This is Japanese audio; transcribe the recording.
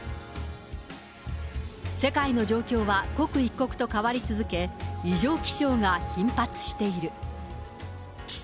世界の状況は刻一刻と変わり続け、異常気象が頻発している。